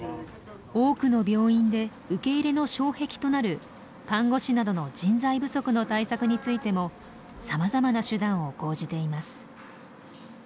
多くの病院で受け入れの障壁となる看護師などの人材不足の対策についてもさまざまな手段を講じています。